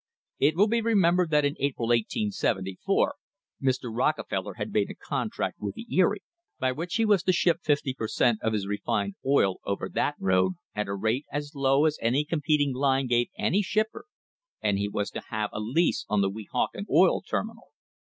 It will be remembered that in April, 1874, Mr. Rockefeller had made a contract with the Erie by which he was to ship fifty per cent, of his refined oil over that road at a rate as low as any competing line gave any shipper and he was to have a lease of the Weehawken oil terminal.